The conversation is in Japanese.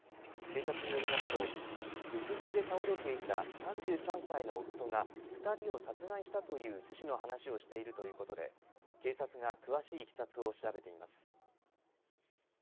警察によりますと、浴室で倒れていた３３歳の夫が、２人を殺害したという趣旨の話をしているということで、警察が詳しいいきさつを調べています。